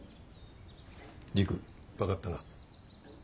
陸分かったな。